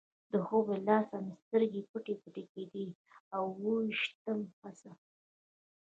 د خوب له لاسه مې سترګې پټې پټې کېدې، اوه ویشتم فصل.